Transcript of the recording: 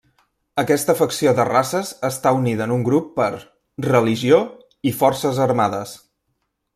Aquesta facció de races està unida en un grup per: religió i forces armades.